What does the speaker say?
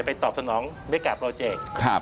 ไปตอบสนองเมล็กการ์ดโปรเจกต์